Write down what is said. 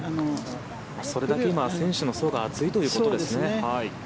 それだけ今、選手の層が厚いということですね。